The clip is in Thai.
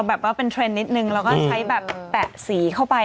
แบบว่าเป็นเทรนด์นิดนึงแล้วก็ใช้แบบแปะสีเข้าไป